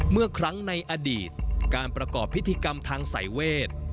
เมื่อครั้งในอดีตการประกอบพิธีกรรมทางสายเวท